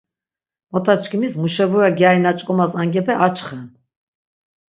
Motaçkimis muşebura gyari na ç̆k̆omas angepe açxen.